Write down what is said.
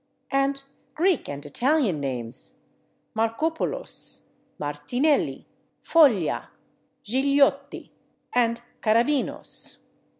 And Greek and Italian names: /Markopoulos/, /Martinelli/, /Foglia/, /Gigliotti/ and /Karabinos